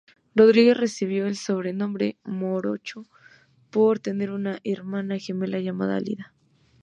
Rodríguez recibió el sobrenombre "morocho", por tener una hermana gemela llamada Alida.